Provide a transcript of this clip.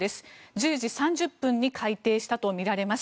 １０時３０分に開廷したとみられます。